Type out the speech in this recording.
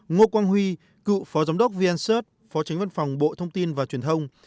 ngô quang huy cựu phó giám đốc vncert phó tránh văn phòng bộ thông tin và truyền thông